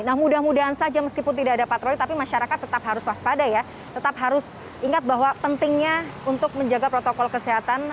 nah mudah mudahan saja meskipun tidak ada patroli tapi masyarakat tetap harus waspada ya tetap harus ingat bahwa pentingnya untuk menjaga protokol kesehatan